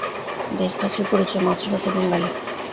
দেশবাসীর পরিচয় মাছে ভাতে বাঙালি।